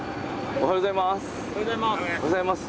おはようございます。